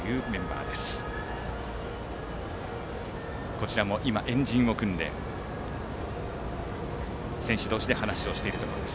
こちらも円陣を組んで選手同士で話をしているところです。